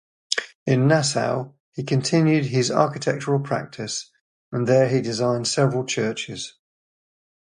In Nassau he continued his architectural practice and there he designed several churches.